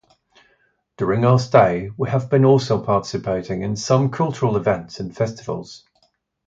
During our stay, we have been also participating in some cultural events and festivals.